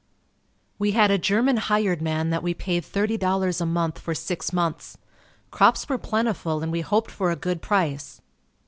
We had a German hired man that we paid $30 a month for six months. Crops were plentiful and we hoped for a good price.